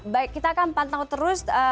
baik kita akan pantau terus